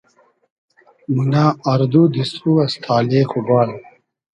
مونۂ آر دو دیست خو از تالې خو بال